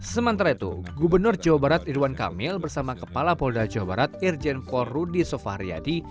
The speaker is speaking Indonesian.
sementara itu gubernur jawa barat irwan kamil bersama kepala polda jawa barat irjen pol rudy sofahriyadi